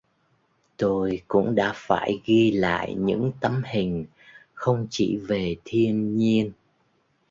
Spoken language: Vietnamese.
Tôi cũng đã phải ghi lại những tấm hình không chỉ về thiên nhiên